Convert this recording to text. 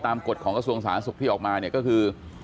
กฎของกระทรวงสาธารณสุขที่ออกมาเนี่ยก็คือ